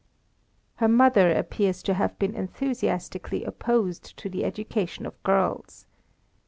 Her mother appears to have been enthusiastically opposed to the education of girls.